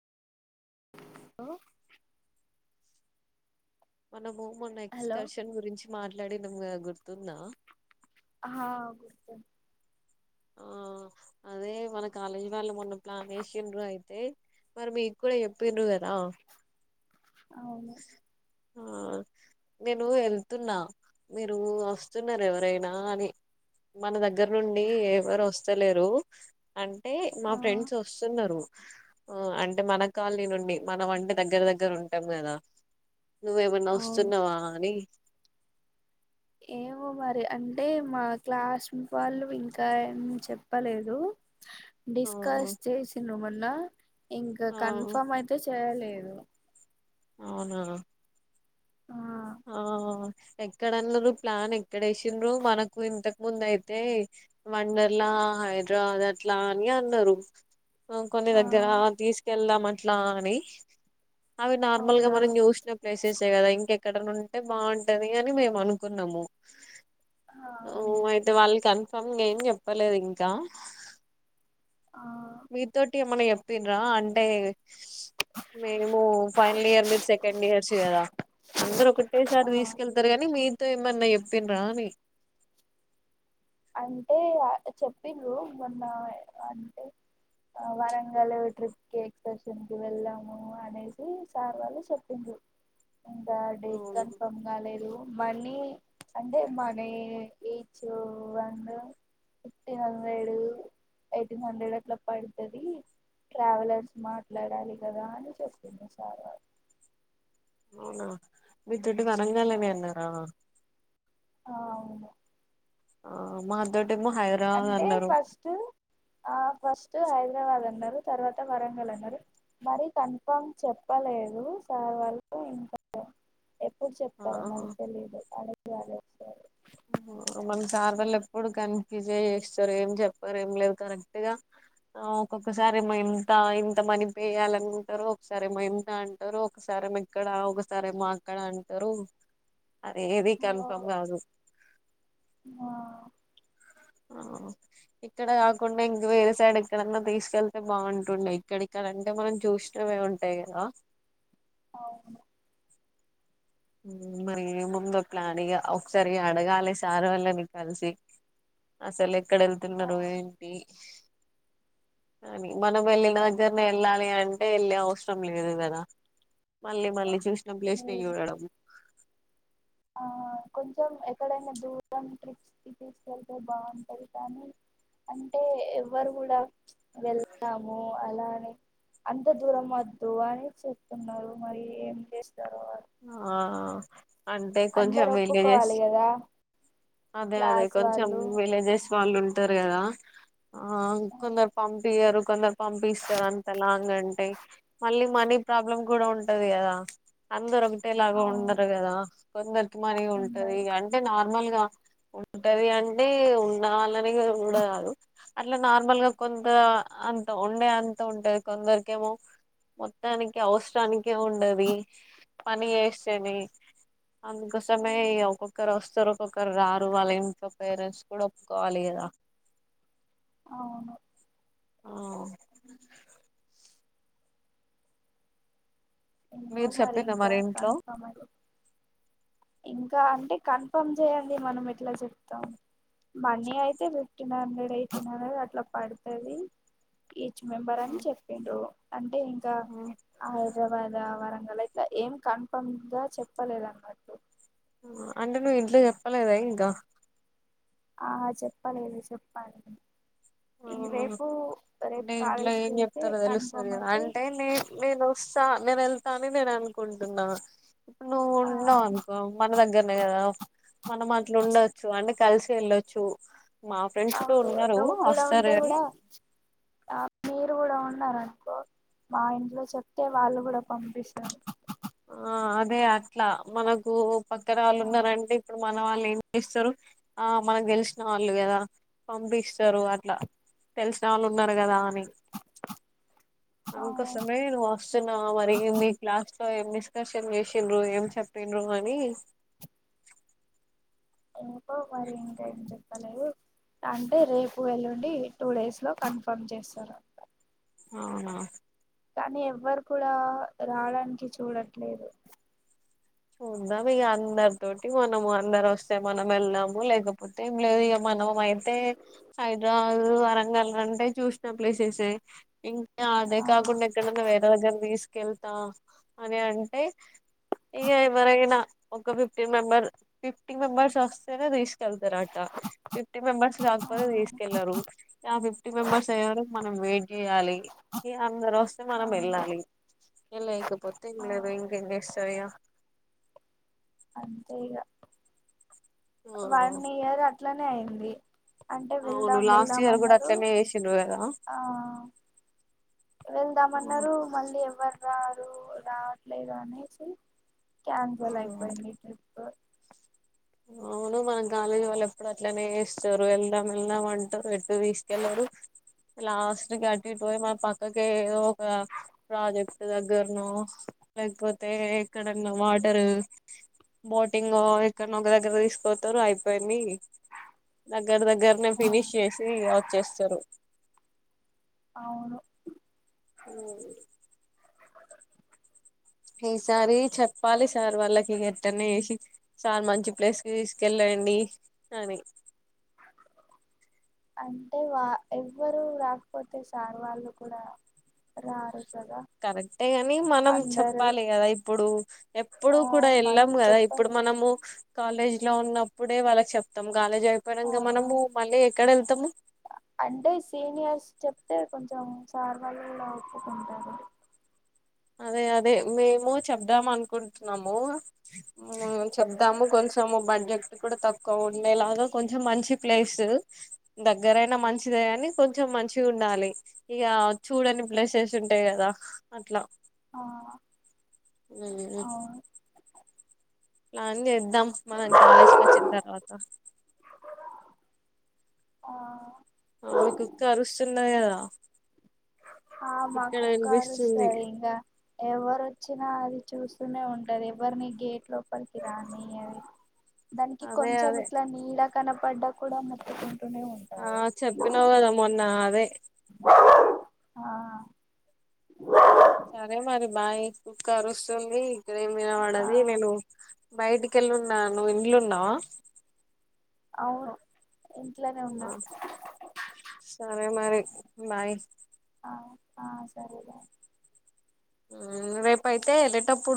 ఓ మనము మొన్న hello excursion గురించి మట్ లడినమ్గ గుర్తుందా ఆ గుర్తుం ఆ అదే మన కాలేజి వాళ్ళు మొన్న ప్లాన్ ఏషిండ్రా అయి తె మరి మీక్కూడ చెప్పిండ్రు కదా అవును ఆ నేను వెళ్తున్నా మీరు వస్తున్నార ఎవరైనా అని మన దగ్గర నుండి ఎవరు వస్తలేరు అంట్ టే మా ఆ ఫ్రెండ్స్ వస్తున్నారు. ఆ అంటే మన కాలనీ నుండి మనం అంటే దగ్గర దగ్గర ఉంటాం కదా నువ్వేమన్నా అవును వస్తున్నావా అని ఏమో మరి అంటే మా క్లాస్ వాళ్ళు ఇంకా ఏం చెప్పలేదు. ఆ డిస్కస్ చేసిన మోన్ న్న ఇంక ఆ కన్ఫమ్ అయితే చెయలేద్ అవునా ఆ ఆ ఎక్కడ అన్నారు ప్లాన్ ఎక్కడ ఏసిన్రు మనకు ఇంతకు ముందు అయితే వండర్లా హైదరాబాద్ అట్లా అని అన్నారు. కొన్ని ఆ దగ్గర తీసుకెళ్దామన్ అట్లా అని అవి నార్మల్ గ అవునా మనం చూసిన ప్లేసెసే కదా ఇంకెక్ ఇక్కడ నుంటే బాగుంటది అని మేము అనుకున్నాము. ఆ ఓ అవును అయితె వాళ్ళ కన్ పాపం ఏం చెప్పలేదు ఇంకా ఆ మీ తోటి ఏమన్న చెప్పిన్రా అంటే మేము ఫైనల్ ఇయర్ మీరు సెకండ్ ఇయర్స్ కదా అందరు ఆ ఒకటేసారి తీసుకెళ్తారు కానీ మీ తో ఏమన్న చెప్పిన్రా అని అంటే చెప్పినృ మొన్న అంటే వరంగల్ ట్రిప్కి ఎక్స్కర్షన్ కి వెళ్ళాము అనేసి సార్ వాళ్ళు చెప్పిన్రు. ఇంకా డేట్ అవును కన్ఫమ్ గాలేదు. మనీ అంటే మని ఈచ్చు వన్నూ ఫిఫ్టీన్ హండ్రెడ్ ఎయిటీన్ హండ్రెడ్ అట్లా పడుతది ట్రావెలర్స్ మాట్లాడాలి కదా అని చెప్పింది సార్ వాళ్ అవునా మీతోటి వనంగళ్ అనే అన్నారా అ అవును ఆ మా దొడ్ అంటే ఫస్ట్ ఆ ఫస్ట్ ఐ హైదరాబాద్ అన్నారు తర్వాత వరంగల్ అన్నారు మరి కన్ఫామ్ చెప్పలేదు సార్ వాళ్ళు ఇంకా ఎప్ ఎప్పుడు ఆ చెప్తారో మరి తెలీదు అడగ్ సరే సరే మన సార్ వాళ్ళు ఎప్పుడు కన్ఫ్యూజ్ చేస్తారు ఏం చెప్పారు ఏం లేదు కరెక్ట్ గా ఒక్కొక్కసారి మా ఇంత ఇంత మనీ పేయ్యాలనింటారు ఒకసారి మా ఇంత అంటారు ఒకసారిో ఇక్కడ ఒకసారి ఏ మాఅక్కడ అంటారు అదే ఏది కన్ఫర్మ్ కాదు ఆ ఆ ఇక్కడ కాకుండా ఇంక వేరే సైడ్ ఎక్కడన్నా తీసుకెళ్తే బాగుంటుండే ఇక్కడక్కడంటే మనం చూసినమే ఉంటాయి కదా అవును ఉమ మరి ఏమో ఉందో ప్లాన్ ఇగ ఒకసారి అడగాలిమరి సార్ వాళ్ళని కలిసి అసలు ఎక్కడ వెళ్తున్నారు ఆ ఏంటి కాని మనం వెళ్ళిన దగ్గరనే వెళ్ళాలి అంటే వెళ్ళి అవసరం లేదు కదా మళ్ళీ మళ్ళీ చూసిన ప్లేస్ లేదు చూడడం ఆ కొంచెం ఎక్కడైనా దూరం ట్రిప్స్కి తీసుకెళ్తే బాగుంటది కానీ అంటే ఎవ్వరు కూడా వెళ్తాము అలానే అంత దూరం వద్దు అని చెప్తున్నారు మరి ఏం చేస్తారు ఆ అంటే కొంచెం అందరు విలేజెస్ ఒప్పుకోవాలి కదా అదే అదే క్లాస్ కొంచెం వాళ్ళు విలేజెస్ వాళ్ళు ఉంటారు కదా ఆ కొందరు పంపియరు కొందరు పంపిస్తారు అంత లాంగ్ అంటే మళ్ళీ మనీ ప్రాబ్లం కూడా ఉంటది కదా అందరం ఎలాగ అవును ఉండరు కదా కొందరు మని ఉంటది ఉన్నది అంటే నా నార్మల్గా ఉంటది అంటే ఉండవాలని ఉండదు అట్లా నార్మల్ గా కొంత అంత ఉండే అంత ఉంటంది కొందరికేమో మొత్తానికి అవసరానినికి ఉండది పని చేస్తేని అందుకోసమే ఒక్కొక్కరు వస్తారు ఒక్కొక్కరు రారు వాళ్ళ ఇంట్లో పేరెంట్స్ కూడా ఒప్పుకోవాలి కదా అవును ఆ ఏమో మీరు చెప్పిర్రా మరింక మరి ఇంట్లో కన్ఫర్మ్ అది ఇంకా అంటే కన్ఫర్మ్ చేయండి మనం ఎట్లా చెప్తాం మనీ అయితే ఫిఫ్టీన్ హండ్రెడ్ ఎయిటీన్ హండ్రెడ్ అట్లా పడుతది మెంబర్ అని చెప్పిండు అంటే ఇంకా ఆయర కాధా వరంగల్ ఇట్లా ఏం కన్ఫమ్ గా చెప్పలేదు అన్నమాట్టు ఉమ్ అంటే నువ్వు ఇంట్లో చెప్పలేదా ఇంకా ఆ చెప్పలేదు చెప్పాలి ఆ ఈ రేపు రేపు అంటే ఇంట్లో కాలేజ్ కి ఏం వెళ్తే చెప్తారో తెలుస్తుంది కన్ఫర్మ్ కదా అయితే అంటే నే నేను వ థా నేను వెళ్తాను నేను అ కుంటున్నా ఇప్పుడు నువ్వు ఆ ఉన్నావు అనుకో మన దగ్గరనే కదా మనం అట్లా ఉండొచ్చు అంటే కలిసి వెళ్ళొచ్చు మా ఫ్రెండ్స్ కుడా ఉన్నారు అంటే కాని కూడా ఆ మీరు ఉంటె కూడా ఉన్నారునుకో మా ఇంట్లో చెప్తే వాళ్ళు కూడా పంపిస్తారు ఆ అదే అట్లా మనకు పక్కర వాళ్ళు ఉన్నారంటే ఇప్పుడు మన వాళ్ళె చేస్తరు ఆ మనకు గెలిసిన వాళ్ళు కదా పంపిస్తారు అట్లా తెలిసిన వాళ్ళు ఉం ఉన్నారు కదా అని ఆ అన్ కోసమే నువ్వు వస్తున్నావ మరి మీ క్లాస్ నీతో ఏం డిస్కర్షన్ చేసండ్రు ఏం చెప్పండ్రు అని ఎందుకో మరి ఇంకా ఏం చెప్పలేదు అంటె రేపు ఎల్లుండి టూ డేస్ లో కన్ఫర్మ్ చేస్తారంట అవునా కానీ ఎవ్వరు కూడా రావడానికి చూడట్లేదు చూద్దాం ఇగ అందరి తోటి మనము అందరు వస్తే మనం వెళ్దాము లేకపోతే ఏం లేదు ఇక మనం అయితే హైదరాబాదు వరంగల్ అంటే చూసిన ప్లేసెసే ఇం ఇంకా అదే ఆ కాకుండా ఎక్కడన్నా వేరే దగ్గర తీసుకెళ్ కెళ్తా అని అంటే ఇక ఎవరైనా ఒక ఫిఫ్టీన్ మెంబర్ ఫిఫ్టీ మెంబెర్స్ వస్తేనే తీసుకెళ్తారట ఫిఫ్టీ మెంబెర్స్ రాకపోతే తీసుకెళ్లరు ఇక ఫిఫ్టీ మెంబర్స్ అయ్యే అరకు మనం వెయిట్ చేయాలి ఇక అందరు వస్తే మనం వెళ్ళాలి ఏ లేకపోతే ఏం ఆ లేదు ఇంకేం చేస్తారు ఇగ అంతే ఇగ ఇగ వన్ ఇయర్ అట్లనే అయింది అంటే అవును వెళ్దాం లాస్ట్ వెళ్దాం ఇయర్ కూడా అన్నారు అట్లనే చేసిండ్రు కదా ఆ వెళ్దాం అన్నారు మళ్ళీ ఎవ్వరు రారు రావట్లేదు అనేసి క్యాన్సల్ అయిపోయింది ట్రిప్పు అవును మన కాలేజీ వాళ్ళు ఎప్పుడు అట్లనే చేస్తారు వెళ్దాం వెళ్దాం అంటారు ఎటు తీసుకెళ్లరు లాస్ట్ కి అటు ఇటు పోయి మన పక్కకి ఏదో ఒక ప్రాజెక్ట్ దగ్గర్నో లేకపోతే ఎక్కడన్నా వాటరు బోటింగ్ ఎక్కడ్నో ఒక దగ్గర తీసుకుపోతరు అయిపోయింది దగ్గర దగ్గరనే ఆ ఫినిష్ చేసి వచ్చేస్తరు అవును [unintelligible] ఈసారి చెప్పాలి సార్ వాళ్ళకి ఎట్టన్న జేసి సార్ మంచి ప్లేస్ కి తీస్కెళ్ళండి అని అంటే వా ఎవ్వరు రాకపోతే సార్ వాళ్ళు కూడా రారు కదా కరెక్టే గాని మనం అందరూ చెప్పాలి గదా ఇప్పుడు ఎప్పుడు ఆ కూడా ఎళ్ళం మనం గదా ఇప్పుడు చెప్పలేం మనము కాలేజ్లో ఉన్నప్పుడే వాళ్ళకి చెప్తాం గాలేజీ అయిపోయినంక ఆ మనము మళ్ళీ ఎక్కడ ఎళ్తము అంటే సీనియర్స్ చెప్తే కొంచెం సార్ వాళ్ళు గూడా ఒప్పుకుంటారు అదే అదే మేము చెప్దాం అనుకుంటున్నాము మ్ చెప్దాము కొంచెం బడ్జెక్ట్ కూడా తక్కువ ఉండేలాగా కొంచెం మంచి ప్లేస్ దగ్గరైనా మంచిదే కానీ కొంచెం మంచిగ ఉండాలి ఇగ చూడని ప్లేసెస్ ఉంటాయి కదా అట్ల ఆ అవును నన్ చేద్ ద్దాం మనం కాలేజికి వచ్చిన తర్వాత ఆ ఆ మీ కుక్క అరుస్తున్నదిగద ఆ మా కుక్క అరుస్తది ఇంగ ఎవరు వచ్చినా అది చూస్తూనే ఉంటది ఎవరిని గేట్ లో లోపలికి రానియ్యది దానికి అదే కొంచెం అదే ఇట్ల నీడ కనప పడ్డ కూడ మొత్తుకు ఆ చెప్పినావ్ గదా మొన్న అదే ఆ సరే మరి బాయ్ కుక్క అరుస్తుంది ఇక్కడ ఏం ఆ వినపడది నేను బయటికెళ్ళున్నా నువ్వు ఇంట్లా ఉన్నావా అవును ఇంట్లోనే ఉన్నా ఆ సరే మరి బాయ్ ఆ ఆ సరే బాయ్ హ్మ్ రేపు అయితే ఎల్లేటప్పుడు